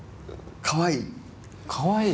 「かわいい」。